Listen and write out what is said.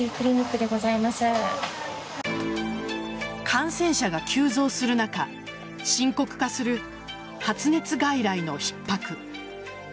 感染者が急増する中深刻化する発熱外来のひっ迫。